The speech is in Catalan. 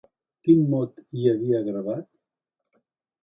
Quin mot hi havia gravat?